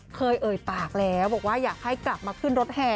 เอ่ยปากแล้วบอกว่าอยากให้กลับมาขึ้นรถแห่